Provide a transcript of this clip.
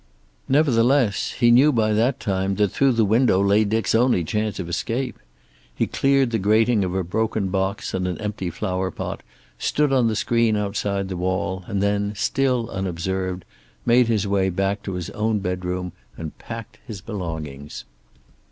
Nevertheless he knew by that time that through the window lay Dick's only chance of escape. He cleared the grating of a broken box and an empty flower pot, stood the screen outside the wall, and then, still unobserved, made his way back to his own bedroom and packed his belongings.